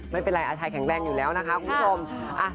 ไม่เป็นไรอาชัยแข็งแรงอยู่แล้วนะคะคุณผู้ชม